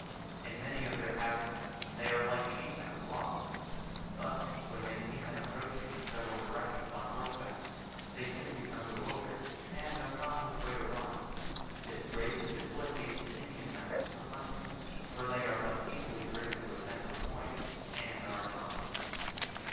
In many of their habits they are like sheep in a flock. Thus when they see men approaching in several directions on horseback, they soon become bewildered, and know not which way to run. This greatly facilitates the Indian method of hunting, for they are thus easily driven to a central point, and are encompassed.